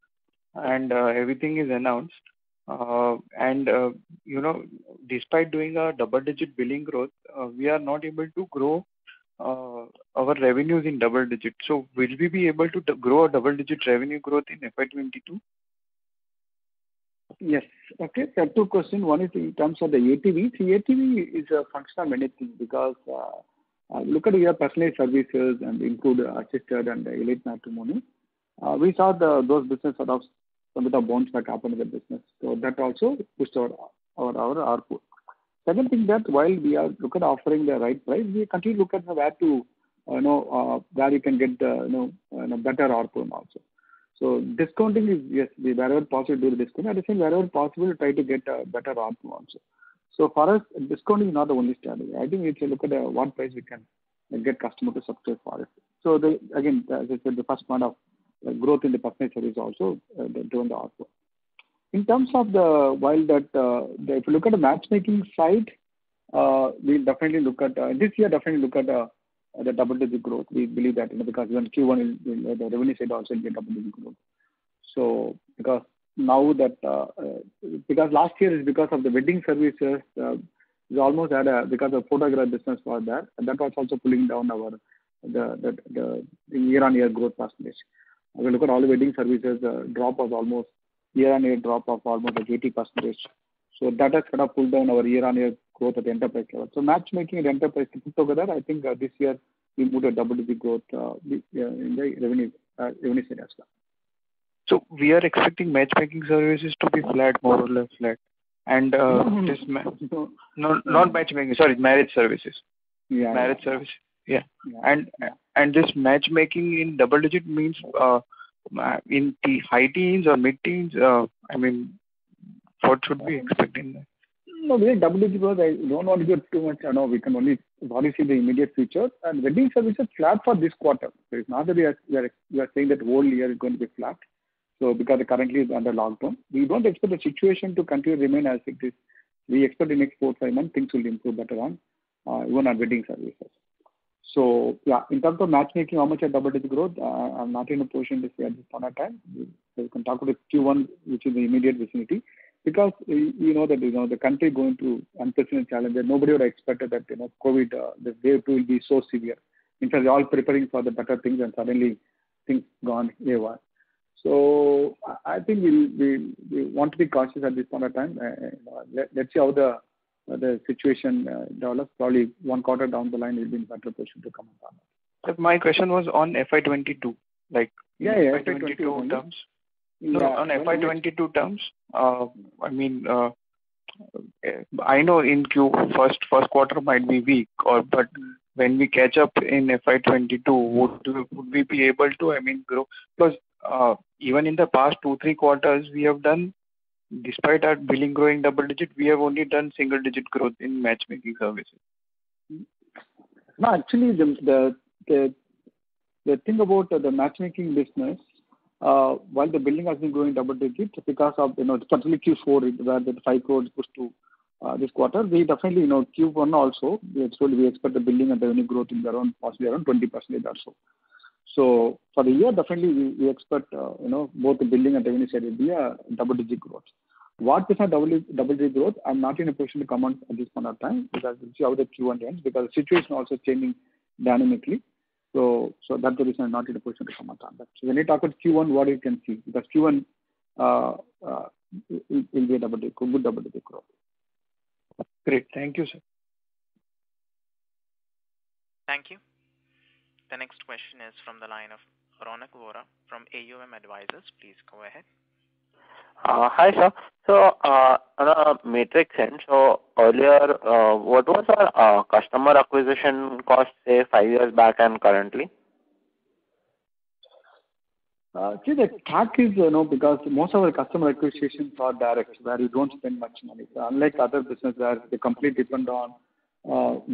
and everything is announced, and despite doing a double-digit billing growth, we are not able to grow our revenues in double digits. Will we be able to grow a double-digit revenue growth in FY 2022? Yes. Okay, two questions. One is in terms of the ATV. ATV is a function of many things because look at your personal services and include assisted and EliteMatrimony. We saw those business sort of some of the bounce back happened in the business. That also pushed our ARPU. Second thing that while we are look at offering the right price, we continue look at where you can get better ARPU also. Discounting is, yes, wherever possible, do the discount. At the same, wherever possible, try to get a better ARPU also. For us, discounting is not the only strategy. I think we should look at what price we can get customer to subscribe for it. Again, as I said, the first point of growth in the personal service also drove the ARPU. In terms of the matchmaking side, this year, definitely look at the double-digit growth. We believe that because even Q1, the revenue side also will be a double-digit growth. Last year is because of the wedding services. Because the photograph business was there, and that was also pulling down the year-on-year growth percentage. If you look at all the wedding services, the year-on-year drop of almost like 80%. That has kind of pulled down our year-on-year growth at the enterprise level. Matchmaking and enterprise put together, I think this year we would have double-digit growth in the revenue side as well. We are expecting matchmaking services to be flat, more or less flat. No. Not matchmaking, sorry, marriage services. Yeah. Marriage service. Yeah. This matchmaking in double digit means in the high teens or mid-teens, what should we expect in that? No, we are double-digit growth. I don't want to give too much. I know we can only probably see the immediate future, and wedding services flat for this quarter. It's not that we are saying that whole year is going to be flat because currently it's under lockdown. We don't expect the situation to continue to remain as it is. We expect in next four, five months things will improve better even on wedding services. Yeah, in terms of matchmaking, how much a double-digit growth, I'm not in a position to say at this point of time. We can talk about Q1, which is in immediate vicinity. We know that the country is going through unprecedented challenge that nobody would have expected that COVID, the wave 2 will be so severe. In fact, we're all preparing for the better things, and suddenly things gone haywire. I think we want to be cautious at this point of time. Let's see how the situation develops. Probably one quarter down the line, we'll be in better position to comment on it. My question was on FY 2022. Yeah, FY 2022. On FY 2022 terms. I know first quarter might be weak. When we catch up in FY 2022, would we be able to grow? Even in the past two, three quarters, despite our billing growing double-digit, we have only done single-digit growth in matchmaking services. Actually, James, the thing about the matchmaking business, while the billing has been growing double digit because of particularly Q4, where the 5 crores pushed to this quarter. We definitely, Q1 also, we expect the billing and revenue growth to be possibly around 20% or so. For the year, definitely we expect both the billing and revenue side will be a double-digit growth. What is our double-digit growth? I'm not in a position to comment at this point of time, because we'll see how the Q1 ends, because the situation also changing dynamically. That's the reason I'm not in a position to comment on that. When we talk of Q1, what you can see. Q1 will be a good double-digit growth. Great. Thank you, sir. Thank you. The next question is from the line of Ronak Vora from AUM Advisors. Please go ahead. Hi, sir. On a metrics end, so earlier, what was our customer acquisition cost, say, five years back and currently? Actually, because most of our customer acquisition are direct, where you don't spend much money. Unlike other businesses where they completely depend on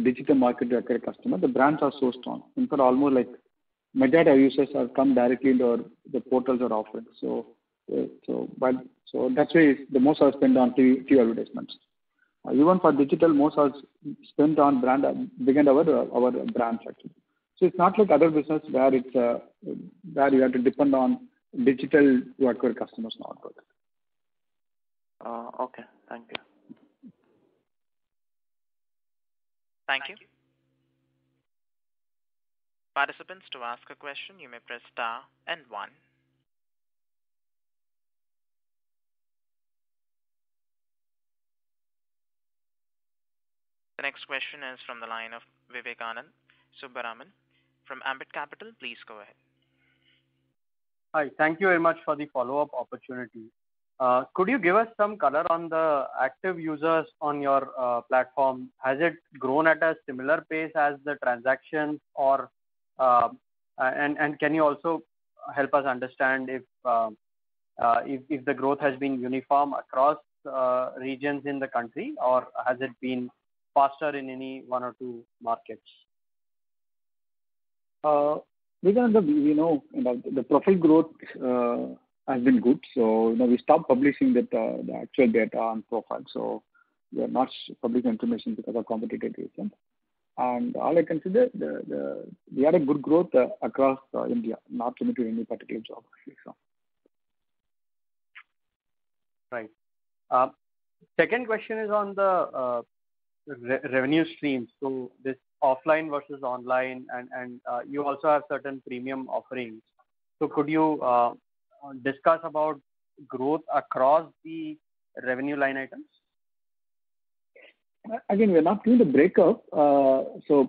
digital market to acquire customer. The brands are so strong. In fact, almost like my data users have come directly into our portals or offerings. That's why the most are spent on TV advertisements. Even for digital, most are spent on brand and behind our brands, actually. It's not like other business where you have to depend on digital to acquire customers, not really. Okay. Thank you. Thank you. Participants, to ask a question, you may press star and one. The next question is from the line of Vivekanand Subbaraman from Ambit Capital. Please go ahead. Hi. Thank you very much for the follow-up opportunity. Could you give us some color on the active users on your platform? Has it grown at a similar pace as the transactions, and can you also help us understand if the growth has been uniform across regions in the country or has it been faster in any one or two markets? Vivekanand Subbaraman, the profile growth has been good. We stopped publishing the actual data on profiles, so they are not public information because of competitive reason. All I can say is we had a good growth across India, not limited to any particular geography. Right. Second question is on the revenue streams. This offline versus online, and you also have certain premium offerings. Could you discuss about growth across the revenue line items? Again, we're not doing the breakup.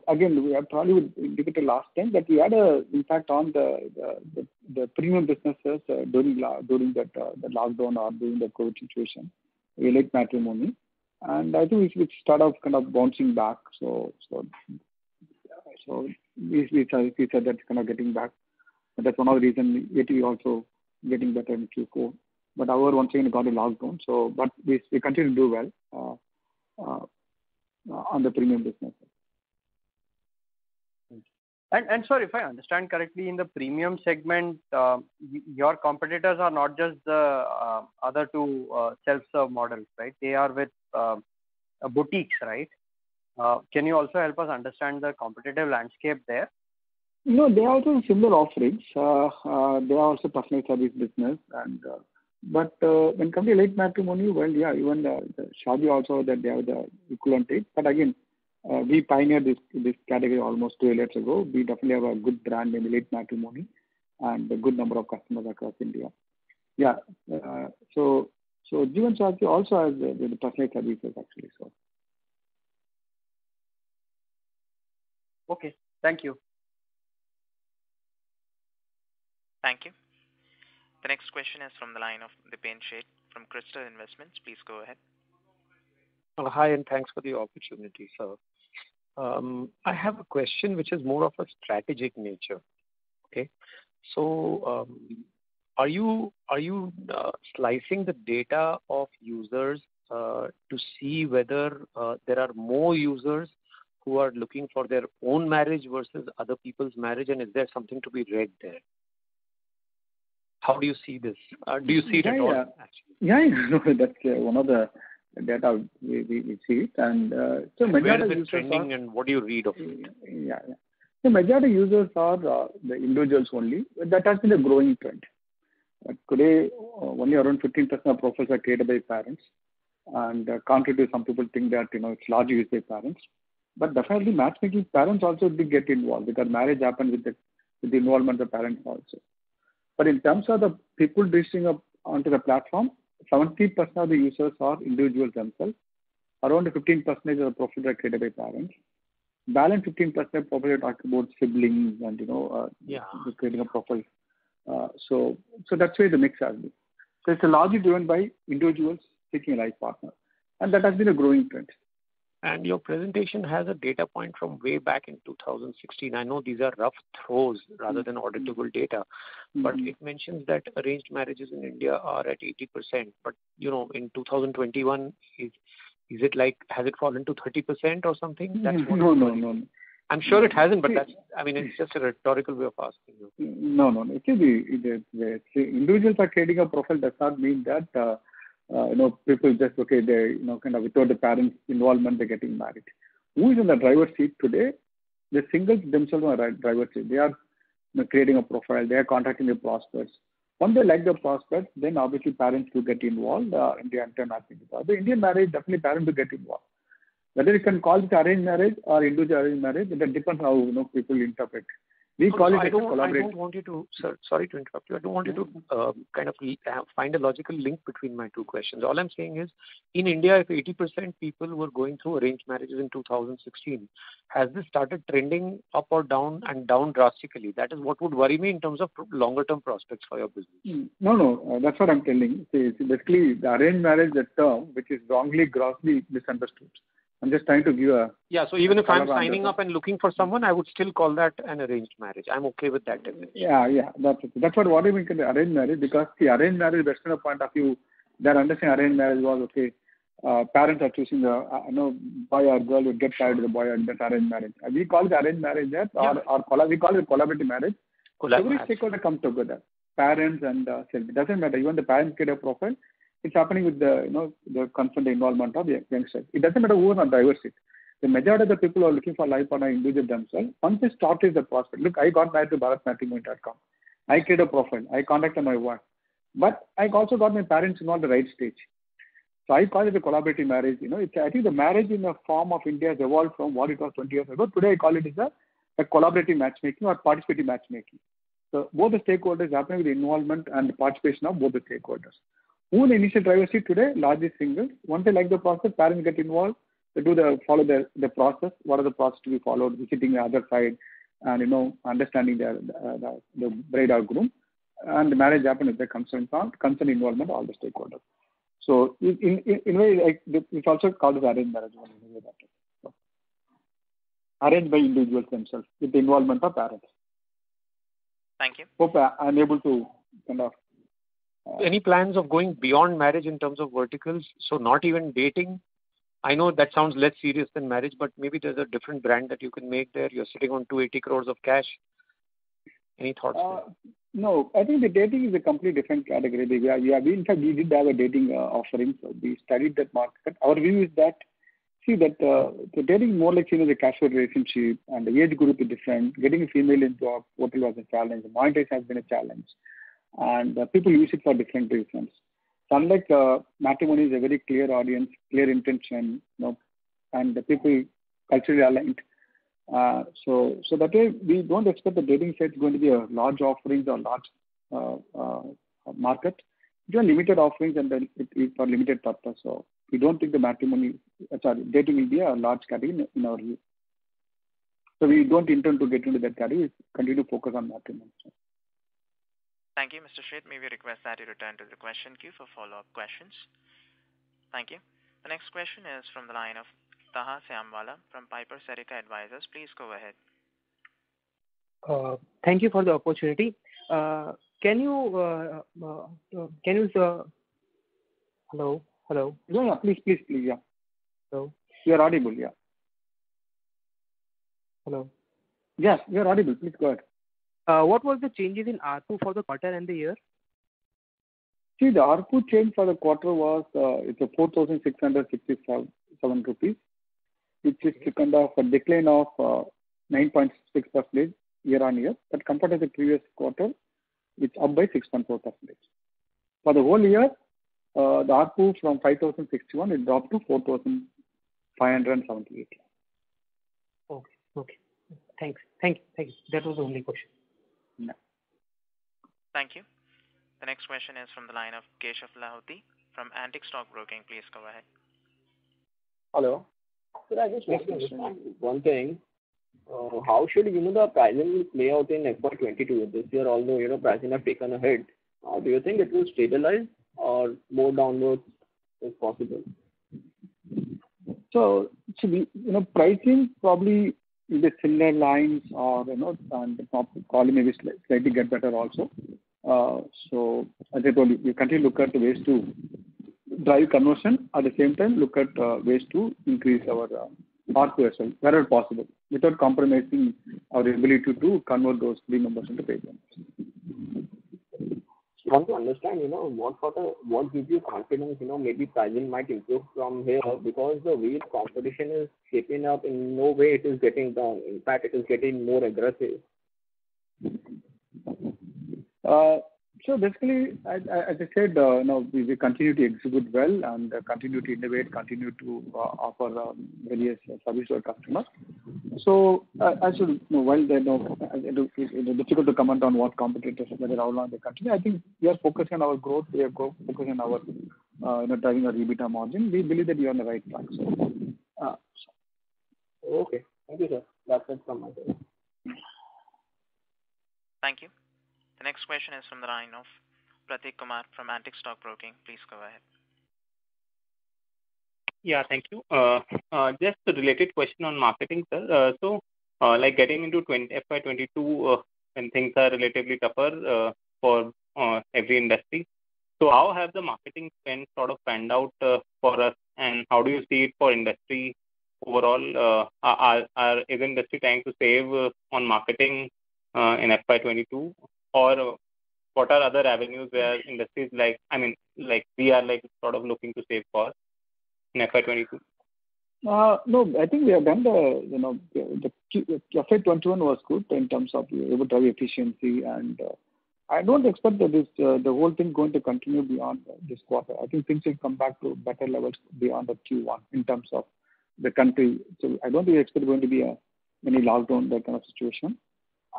Again, we probably would give it a last time, but we had an impact on the premium businesses during that lockdown or during the COVID situation, like Matrimony. I think it started off kind of bouncing back, so we said that's kind of getting back. That's one of the reasons Matrimony also getting better in Q4. However, once again, it got a lockdown. We continue to do well on the premium businesses. Sir, if I understand correctly, in the premium segment, your competitors are not just the other two self-serve models, right? They are with boutiques, right? Can you also help us understand the competitive landscape there? They are also in similar offerings. They are also personal service business. When it comes to EliteMatrimony, well, yeah, even Shaadi also, they have the equivalent thing. Again, we pioneered this category almost two years ago. We definitely have a good brand in EliteMatrimony and a good number of customers across India. Yeah. Shaadi also has the personal services actually. Okay. Thank you. Thank you. The next question is from the line of Dipen Sheth from Crystal Investments. Please go ahead. Hi, and thanks for the opportunity, sir. I have a question which is more of a strategic nature. Okay. Are you slicing the data of users to see whether there are more users who are looking for their own marriage versus other people's marriage and is there something to be read there? How do you see this? Do you see it at all? Yeah. That's one of the data we see it. Where is it trending, and what do you read of it? Yeah. Majority users are the individuals only. That has been a growing trend. Today, only around 15% of profiles are created by parents. Contrary to some people think that it's largely used by parents. Definitely matchmaking, parents also do get involved because marriage happen with the involvement of parents also. In terms of the people reaching onto the platform, 70% of the users are individuals themselves. Around 15% is a profile created by parents. Balance 15% probably are talking about siblings. Yeah Creating a profile. That's why the mix has been. It's largely driven by individuals seeking a life partner, and that has been a growing trend. Your presentation has a data point from way back in 2016. I know these are rough throws rather than auditable data. It mentions that arranged marriages in India are at 80%. In 2021, has it fallen to 30% or something? No. I'm sure it hasn't, but it's just a rhetorical way of asking you. See, individuals are creating a profile does not mean that people just, okay, they kind of without the parents' involvement, they're getting married. Who is in the driver's seat today? The singles themselves are in driver's seat. They are creating a profile. They are contacting the prospects. Once they like the prospect, then obviously parents will get involved. The Indian marriage, definitely parents will get involved. Whether you can call it arranged marriage or individual marriage, it depends how people interpret. We call it a collaborative- Sir, sorry to interrupt you. I don't want you to kind of find a logical link between my two questions. All I'm saying is, in India, if 80% people were going through arranged marriages in 2016, has this started trending up or down and down drastically? That is what would worry me in terms of longer-term prospects for your business. No. That's what I'm telling. See, basically, the arranged marriage term, which is wrongly, grossly misunderstood. Yeah. Even if I'm signing up and looking for someone, I would still call that an arranged marriage. I'm okay with that definition. Yeah. That's what. What do you mean by arranged marriage? See, arranged marriage, Western point of view, their understanding arranged marriage was, okay, parents are choosing. A boy or girl would get married to the boy, and that's arranged marriage. We call it arranged marriage there. Yeah. We call it collaborative marriage. Collaborative. Every stakeholder comes together, parents and self. It doesn't matter. Even the parents create a profile. It's happening with the concerned involvement of the youngster. It doesn't matter who is on driver's seat. The majority of the people who are looking for life partner are individuals themselves. Once they shortlist the prospect. Look, I got married through bharatmatrimony.com. I create a profile. I contact my wife. I also got my parents in on the right stage. I call it a collaborative marriage. I think the marriage in the form of India has evolved from what it was 20 years ago. Today, I call it is a collaborative matchmaking or participative matchmaking. Both the stakeholders happen with the involvement and participation of both the stakeholders. Who in the initial driver seat today? Largely singles. Once they like the prospect, parents get involved. They follow the process. What are the process to be followed, visiting the other side and understanding the bride or groom, and the marriage happen with the concerned involvement of all the stakeholders. In a way, it's also called as arranged marriage one way. Arranged by individuals themselves with the involvement of parents. Thank you. Hope I'm able to kind of- Any plans of going beyond marriage in terms of verticals? Not even dating. I know that sounds less serious than marriage, but maybe there's a different brand that you can make there. You're sitting on 280 crores of cash. Any thoughts there? I think the dating is a completely different category. In fact, we did have a dating offering. We studied that market. Our view is that, see that the dating more like a casual relationship and the age group is different. Getting a female into our portal was a challenge. Monetization has been a challenge. People use it for different reasons. Unlike matrimony is a very clear audience, clear intention. The people culturally aligned. That way, we don't expect the dating side is going to be a large offerings or large market. It's a limited offerings and then it is for limited purpose. We don't think the dating in India a large category in our view. We don't intend to get into that category. We continue to focus on matrimony. Thank you, Mr. Sheth. May we request that you return to the question queue for follow-up questions. Thank you. The next question is from the line of Taha Siamwala from Piper Serica Advisors. Please go ahead. Thank you for the opportunity. Can you Hello? No, please. Yeah. Hello? You're audible. Yeah. Hello. Yeah, you're audible. Please go ahead. What was the changes in ARPU for the quarter and the year? See, the ARPU change for the quarter was 4,667 rupees, which is a decline of 9.6% year-on-year. Compared to the previous quarter, it's up by 6.4%. For the whole year, the ARPU from 5,061, it dropped to 4,578. Okay. Thanks. That was the only question. Yeah. Thank you. The next question is from the line of Keshav Lahoti from Antique Stock Broking. Please go ahead. Hello. Sir, I just one thing. How should the pricing will play out in FY 2022? This year, although pricing have taken a hit, do you think it will stabilize or more downwards is possible? Pricing probably will be similar lines or on the top, quality maybe slightly get better also. As I told you, we continue look at ways to drive conversion. At the same time, look at ways to increase our ARPU ourselves wherever possible, without compromising our ability to convert those free members into paid members. Just want to understand, what gives you confidence, maybe pricing might improve from here because the way competition is shaping up, in no way it is getting down. In fact, it is getting more aggressive. Basically, as I said, we continue to execute well and continue to innovate, continue to offer various service to our customers. I think we are focused on our growth, we are focused on driving our EBITDA margin. We believe that we are on the right track. Okay. Thank you, sir. That's it from my side. Thank you. The next question is from the line of Prateek Kumar from Antique Stock Broking. Please go ahead. Yeah, thank you. Just a related question on marketing, sir. Like getting into FY 2022, when things are relatively tougher for every industry. How have the marketing spends sort of panned out for us, and how do you see it for industry overall? Is industry trying to save on marketing in FY 2022, or what are other avenues where industries, we are sort of looking to save for in FY 2022? No, I think we are done. FY21 was good in terms of EBITDA efficiency, and I don't expect that the whole thing going to continue beyond this quarter. I think things will come back to better levels beyond the Q1 in terms of the country. I don't expect there going to be any lockdown, that kind of situation.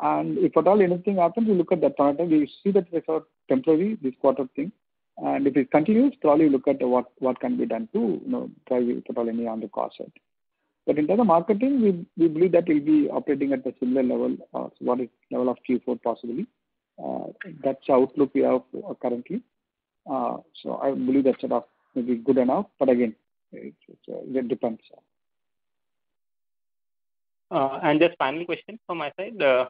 If at all anything happens, we look at that point in time, we will see that it was temporary, this quarter thing. If it continues, probably look at what can be done to drive EBITDA on the cost side. In terms of marketing, we believe that we'll be operating at a similar level, so level of Q4 possibly. That's our outlook we have currently. I believe that setup will be good enough. Again, it depends. Just final question from my side.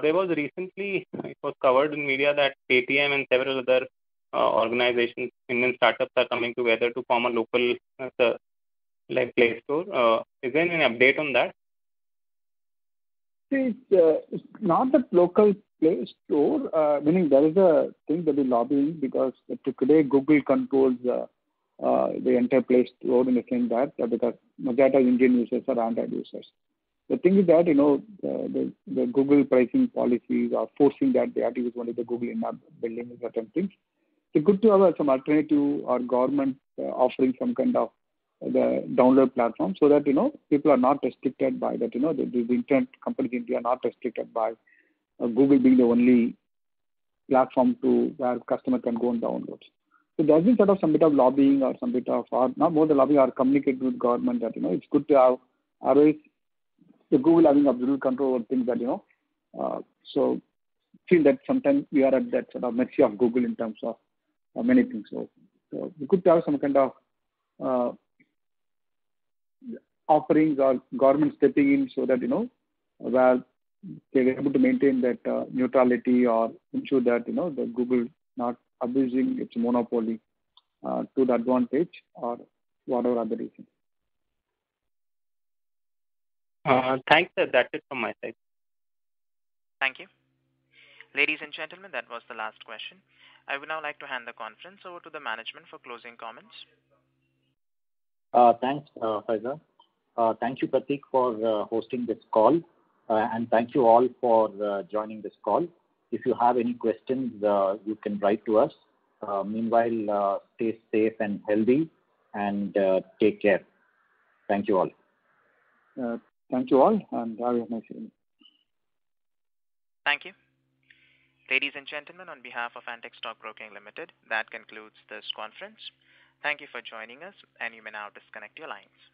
There was recently, it was covered in media that Paytm and several other organizations, Indian startups are coming together to form a local Play Store. Is there any update on that? It's not that local Play Store. There is a thing that is lobbying because today Google controls the entire Play Store in the sense that because majority of Indian users are Android users. The thing is that, the Google pricing policies are forcing that the activity is going to Google, ending up billing and certain things. It's good to have some alternative or government offering some kind of the download platform so that people are not restricted by that. The Indian companies are not restricted by Google being the only platform where customer can go and download. There has been sort of some bit of lobbying or some bit of Not more the lobbying or communicate with government that it's good to have always Google having absolute control over things. Feel that sometimes we are at that sort of mercy of Google in terms of many things. It's good to have some kind of offerings or government stepping in so that they're able to maintain that neutrality or ensure that Google not abusing its monopoly to the advantage or whatever other reason. Thanks, sir. That is from my side. Thank you. Ladies and gentlemen, that was the last question. I would now like to hand the conference over to the management for closing comments. Thanks, Faizal. Thank you, Prateek, for hosting this call. Thank you all for joining this call. If you have any questions, you can write to us. Meanwhile, stay safe and healthy, and take care. Thank you all. Thank you all, and have a nice evening. Thank you. Ladies and gentlemen, on behalf of Antique Stock Broking Limited, that concludes this conference. Thank you for joining us, and you may now disconnect your lines.